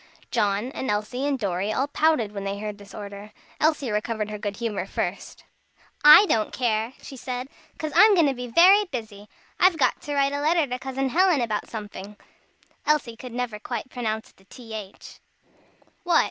John, and Elsie, and Dorry, all pouted when they heard this order. Elsie recovered her good humor first. "I don't care," she said, "'cause I'm going to be very busy; I've got to write a letter to Cousin Helen about somefing." (Elsie never could quite pronounce the th.) "What?"